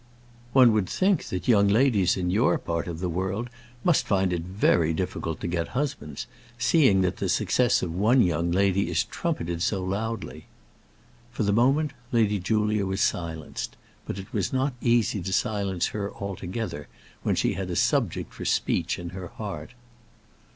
One would think that young ladies in your part of the world must find it very difficult to get husbands, seeing that the success of one young lady is trumpeted so loudly." For the moment, Lady Julia was silenced; but it was not easy to silence her altogether when she had a subject for speech near her heart.